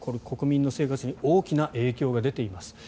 国民の生活に大きな影響が出ています。